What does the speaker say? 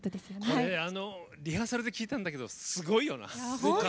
リハーサルで聴いたんだけどすごいよな！